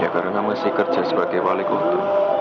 karena masih kerja sebagai wali kota